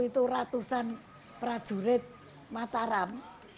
itu ratusan prajurit mataram